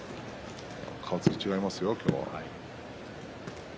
顔つきが違いますよ今日は。